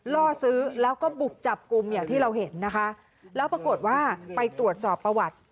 ล่อซื้อแล้วก็บุกจับกลุ่มอย่างที่เราเห็นนะคะแล้วปรากฏว่าไปตรวจสอบประวัติ